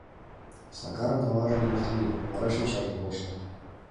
Сакарын аваже юрт лие, вара шинчажым почо: